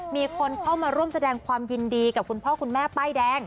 มีคนเข้ามาร่วมแสดงความยินดีกับคุณพ่อคุณแม่ป้ายแดง